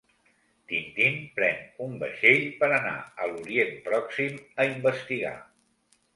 Tintín pren un vaixell per anar a l'Orient Pròxim a investigar.